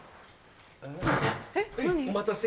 お待たせ。